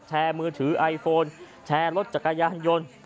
มือถือไอโฟนแชร์รถจักรยานยนต์